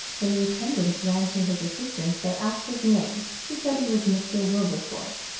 When the attendants ran to his assistance and asked his name, he said he was Mr. Willjcrforcc.